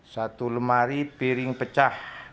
satu lemari piring pecah